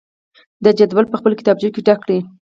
د جدول په خپلو کتابچو کې ډک کړئ.